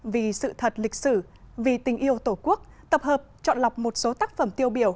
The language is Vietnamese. vì sự thật lịch sử vì tình yêu tổ quốc tập hợp chọn lọc một số tác phẩm tiêu biểu